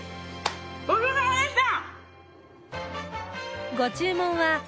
ごちそうさまでした！